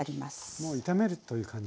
もう炒めるという感じですね。